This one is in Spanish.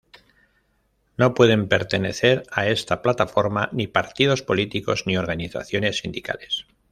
No pueden pertenecer a esta Plataforma ni partidos políticos ni organizaciones sindicales.